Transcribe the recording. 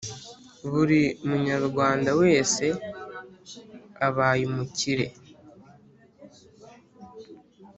Buri munyarwanda wese abaye umukire